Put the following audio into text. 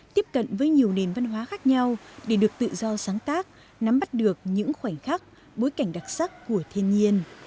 tiếp cận với nhiều nền văn hóa khác nhau để được tự do sáng tác nắm bắt được những khoảnh khắc bối cảnh đặc sắc của thiên nhiên